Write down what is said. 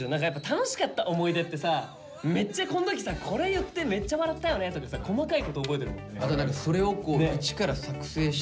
楽しかった思い出ってさめっちゃこの時さこれ言ってめっちゃ笑ったよねとかさ細かいこと覚えてるもんね。